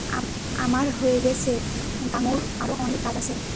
আমার হয়ে গেছে, গাঙুর আরো অনেক কাজ আছে।